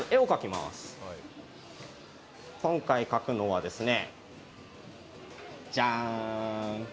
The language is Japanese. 今回描くのはじゃーん。